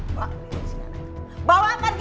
pak bawa anak haram itu dari sini